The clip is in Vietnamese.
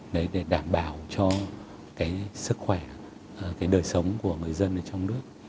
đấy để đảm bảo cho cái sức khỏe cái đời sống của người dân ở trong nước